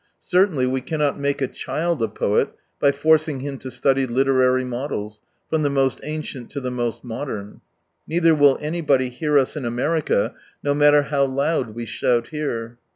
Certainly we cannot make a child a poet by forcing him to study literary models, from the most ancient to the most modern. Neither will anybody hear us in America no matter how loud we shout here.